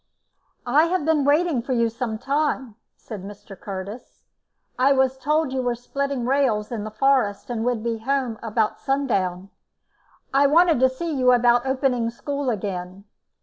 "I have been waiting for you some time," said Mr. Curtis. "I was told you were splitting rails in the forest, and would be home about sundown. I wanted to see you about opening school again.